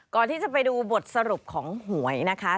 ก่อนที่จะไปดูบทสรุปของหวยนะคะ